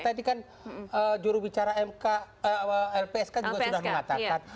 tadi kan jurubicara lpsk juga sudah mengatakan